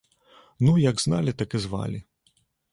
Ну, як зналі, так і звалі.